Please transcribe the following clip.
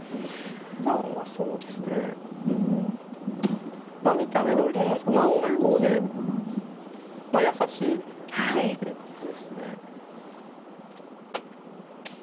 ふだんはそうですねうんまあ見た目どおりといいますか温厚でまあ優しい性格ですね。